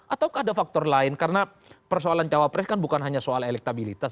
atau ada faktor lain karena persoalan cawapres kan bukan hanya soal elektabilitas